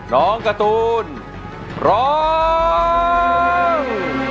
น้องการ์ตูนร้อง